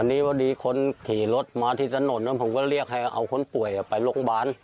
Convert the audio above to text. อันนี้พอดีคนขี่รถมาที่ถนนผมก็เรียกให้เอาคนป่วยไปโรงพยาบาล